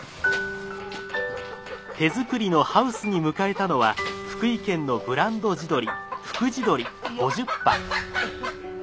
手作りのハウスに迎えたのは福井県のブランド地鶏福地鶏５０羽。